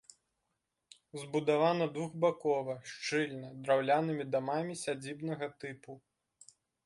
Забудавана двухбакова, шчыльна, драўлянымі дамамі сядзібнага тыпу.